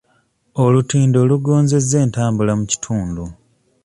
Olutindo lugonzezza entambula mu kitundu.